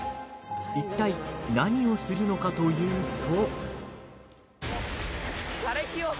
いったい何をするのかというと。